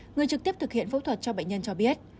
người trực tiếp thực hiện phẫu thuật cho bệnh nhân cho biết